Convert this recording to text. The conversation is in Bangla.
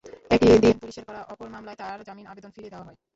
একই দিন পুলিশের করা অপর মামলায় তাঁর জামিন আবেদন ফিরিয়ে দেওয়া হয়।